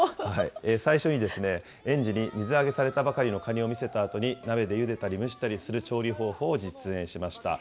最初に園児に水揚げされたばかりのカニを見せたあとに、鍋でゆでたり蒸したりする調理方法を実演しました。